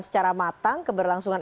secara matang keberlangsungan